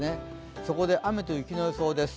そこで雨と雪の予想です。